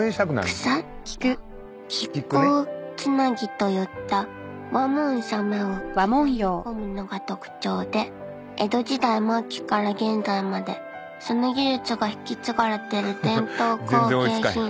［くさや亀甲繋ぎといったわもんさまをきざみ込むのが特徴で江戸時代末期から現在までその技術が引き継がれてる伝統工芸品］